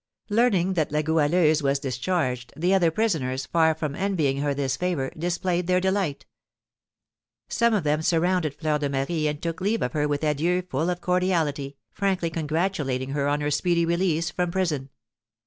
Learning that La Goualeuse was discharged, the other prisoners, far from envying her this favour, displayed their delight. Some of them surrounded Fleur de Marie, and took leave of her with adieux full of cordiality, frankly congratulating her on her speedy release from prison.